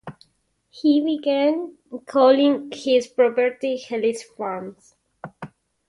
He began calling his property Helix Farms.